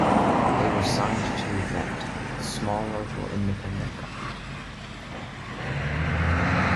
They were signed to Vent, a small local Independent company.